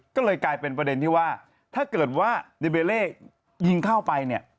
ก็เลยกลายเป็นประเด็นที่ว่าถ้าเกิดว่าดิเบเล่ยิงเข้าไปเนี่ย